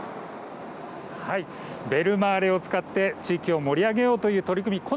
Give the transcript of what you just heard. ベルマーレを使って地域を盛り上げようという取り組み。